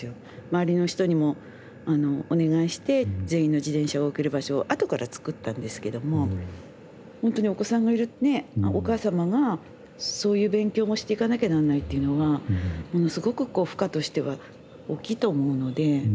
周りの人にもお願いして全員の自転車を置ける場所を後から作ったんですけどもほんとにお子さんがいるお母様がそういう勉強もしていかなきゃなんないというのはものすごくこう負荷としては大きいと思うので。